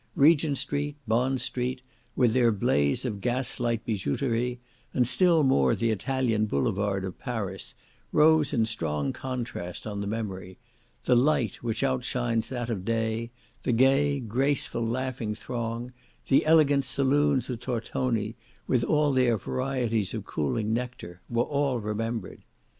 Regent Street, Bond Street, with their blaze of gas light bijouterie, and still more the Italian Boulevard of Paris, rose in strong contrast on the memory; the light, which outshines that of day—the gay, graceful, laughing throng—the elegant saloons of Tortoni, with all their varieties of cooling nectar—were all remembered.